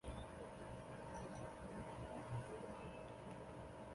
其东西两翼曾有明万历二十三年建的长洲县城隍庙和吴县城隍庙。